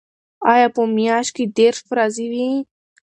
آیا په میاشت کې دېرش ورځې وي؟